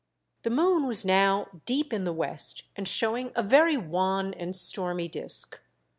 The moon was now deep in the west and showing a very wan and stormy disk.